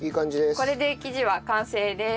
これで生地は完成です。